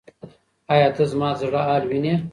ایا ته زما د زړه حال وینې؟